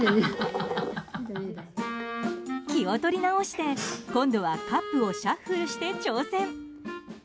気を取り直して今度はカップをシャッフルして挑戦。